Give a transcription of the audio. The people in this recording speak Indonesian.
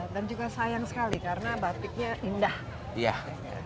dan juga sayang sekali karena batiknya indah